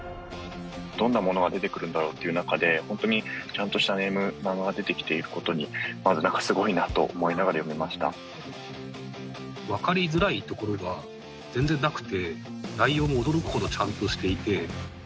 どんなものが出てくるんだろうっていう中で、本当にちゃんとしたネーム、漫画が出てきていることに、まずなんか、すごいなと分かりづらいところが全然なくて、内容も驚くほどちゃんとしていて。